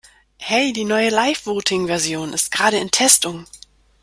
Hey, die neue LiveVoting Version ist gerade in Testung.